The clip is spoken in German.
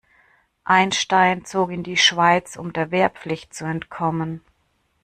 Einstein zog in die Schweiz, um der Wehrpflicht zu entkommen.